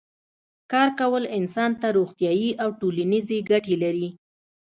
کار کول انسان ته روغتیایی او ټولنیزې ګټې لري